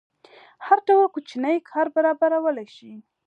هر ډول کوچنی کار برابرولی شي.